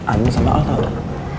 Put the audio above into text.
al sama al tau gak